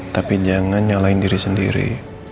tapi jangan nyalahin diri sendiri